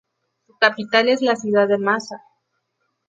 Su capital es la ciudad de Massa.